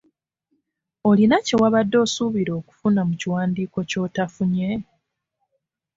Olina kyewabadde osuubira okufuna mu kiwandiiko ky'otafunye?